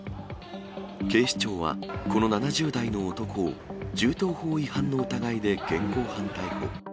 警視庁は、この７０代の男を銃刀法違反の疑いで現行犯逮捕。